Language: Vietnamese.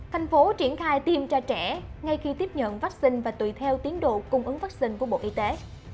thành phố triển khai tiêm cho trẻ ngay khi tiếp nhận vaccine và tùy theo tiến độ cung ứng vaccine của bộ y tế